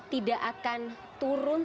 tidak akan turun